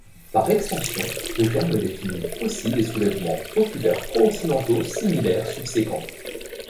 Par extension, le terme définit aussi les soulèvements populaires pro-occidentaux similaires subséquents.